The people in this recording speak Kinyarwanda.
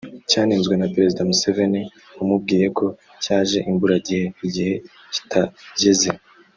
cyanenzwe na Perezida Museveni wamubwiye ko ‘cyaje imburagihe’ (igihe kitageze)